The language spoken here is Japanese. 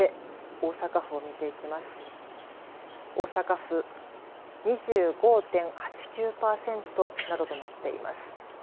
大阪府、２５．８９パーセントなどとなっています。